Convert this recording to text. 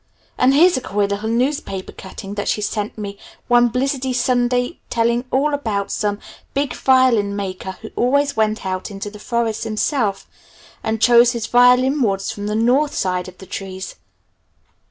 And here's a queer little newspaper cutting that she sent me one blizzardy Sunday telling all about some big violin maker who always went out into the forests himself and chose his violin woods from the north side of the trees.